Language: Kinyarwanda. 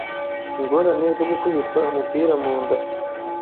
ingorane zo gukubitwa umupira mu nda.